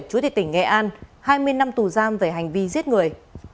chủ tịch tỉnh nghệ an hai mươi năm tù giam về hành vi giết người